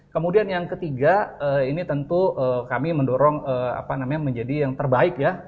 kemudian yang ketiga ini tentu kami mendorong menjadi yang terbaik